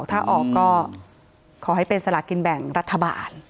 ถ้าออกก็ขอให้เป็นสลากินแบ่งรัฐบาล